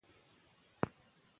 هغه ښوونکی چې صادق دی باور لري.